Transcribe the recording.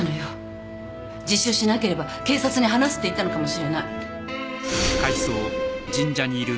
自首しなければ警察に話すって言ったのかもしれない。